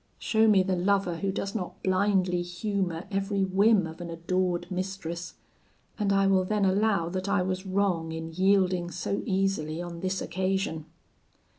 'Show me the lover who does not blindly humour every whim of an adored mistress, and I will then allow that I was wrong in yielding so easily on this occasion.'